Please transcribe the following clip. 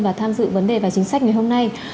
và tham dự vấn đề và chính sách ngày hôm nay